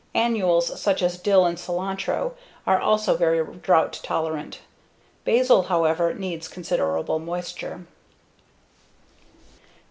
Annuals such as dill and cilantro are also very drought tolerant. Basil, however, needs considerable moisture.